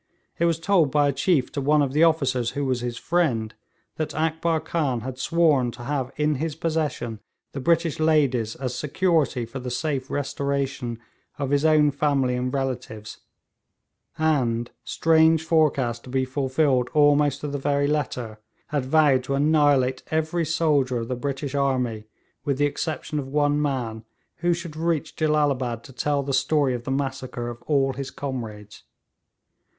It was told by a chief to one of the officers who was his friend, that Akbar Khan had sworn to have in his possession the British ladies as security for the safe restoration of his own family and relatives, and, strange forecast to be fulfilled almost to the very letter, had vowed to annihilate every soldier of the British army with the exception of one man, who should reach Jellalabad to tell the story of the massacre of all his comrades.